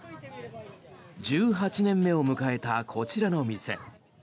１８年目を迎えたこちらの店。